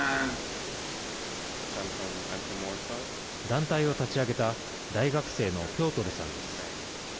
団体を立ち上げた大学生のピョートルさんです。